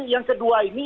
yang kedua ini